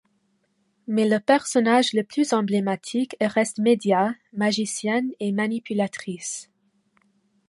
Mais le personnage le plus emblématique reste Medea, magicienne et manipulatrice.